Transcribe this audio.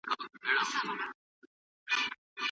له پوهنتون بهر هم باید استاد له خپل شاګرد سره مرسته وکړي.